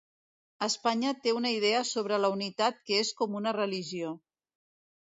Espanya té una idea sobre la unitat que és com una religió.